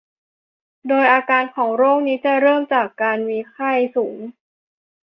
โดยอาการของโรคนี้จะเริ่มจากมีไข้สูง